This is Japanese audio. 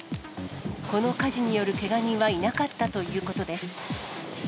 この火事によるけが人はいなかったということです。